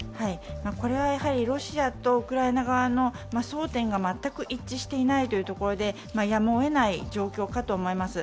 これはロシアとウクライナ側の争点が全く一致していないというところでやむをえない状況かと思います。